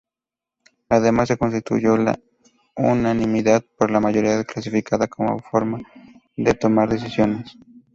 Además, se sustituyó la unanimidad por la mayoría cualificada como forma de tomar decisiones.